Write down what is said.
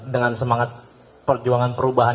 dengan semangat perjuangan perubahan